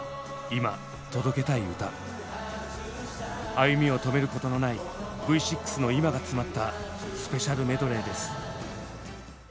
歩みを止めることのないＶ６の今が詰まったスペシャルメドレーです。